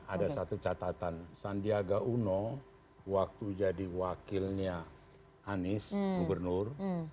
ada satu catatan sandiaga uno waktu jadi wakilnya anies gubernur